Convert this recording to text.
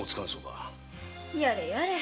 やれやれ。